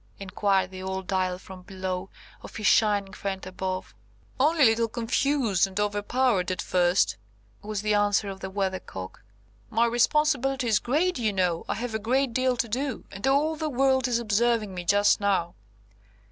inquired the old Dial from below, of his shining friend above. "Only a little confused and overpowered at first," was the answer of the Weathercock. "My responsibility is great, you know. I have a great deal to do, and all the world is observing me just now."